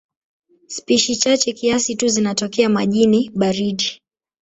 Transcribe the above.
Spishi chache kiasi tu zinatokea majini baridi.